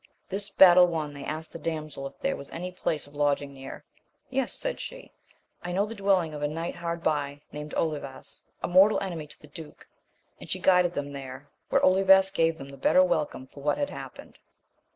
This battle won,' they asked the damsel if there was any place of lodging near. Yes, said she, I know the dwelling of a knight hard by, named Olivas, a mortal enemy to the duke ; and she guided them there, where Olivas gave then the better welcome for what had happened.